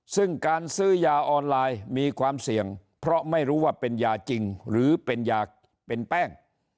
ซึ่งการซื้อยาออนไลน์มีความเสี่ยงเพราะไม่รู้ว่าเป็นยาจริงหรือเป็นยาเป็นแป้ง